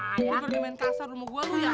gua ingin main kasar sama gua lu ya